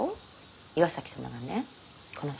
岩崎様がねこの先